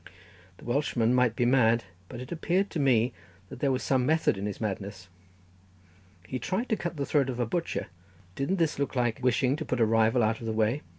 The Welshman might be mad, but it appeared to me that there was some method in his madness. He tried to cut the throat of a butcher; didn't this look like wishing to put a rival out of the way?